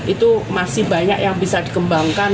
itu masih banyak yang bisa dikembangkan